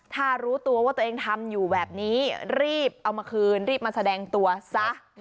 ถ้ารู้ตัวว่าตัวเองทำอยู่แบบนี้รีบเอามาคืนรีบมาแสดงตัวซะ